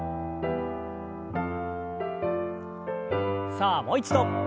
さあもう一度。